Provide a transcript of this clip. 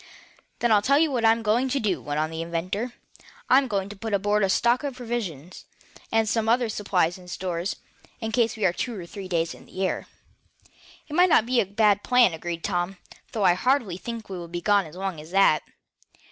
"Then I'll tell you what I'm going to do," went on the inventor, "I'm going to put aboard a stock of provisions, and some other supplies and stores, in case we are two or three days in the air." "It might not be a bad plan," agreed Tom, "though I hardly think we will be gone as long as that."